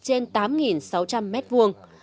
diện tích trên tám sáu trăm linh mét vuông